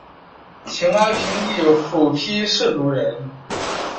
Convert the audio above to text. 秦哀平帝苻丕氐族人。